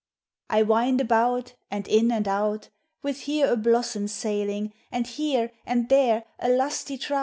I wind about, and in ami out, Willi here a blossom Bailing, And here and there a lusty iron!.